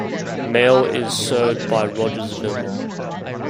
Mail is served by Rogersville.